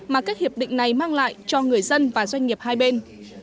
mà các hiệp định này mang lại cho người dân và doanh nghiệp hai bên